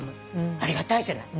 ありがたいじゃない。